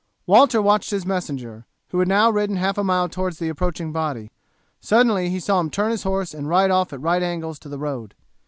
Walter watched his messenger, who had now ridden half a mile towards the approaching body. Suddenly he saw him turn his horse and ride off at right angles to the road.